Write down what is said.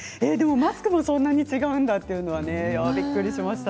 マスクもそんなに違うんだというのはねびっくりしました。